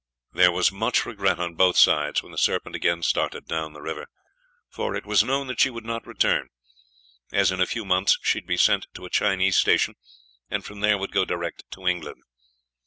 There was much regret on both sides when the Serpent again started down the river; for it was known that she would not return, as in a few months she would be sent to a Chinese station, and from there would go direct to England.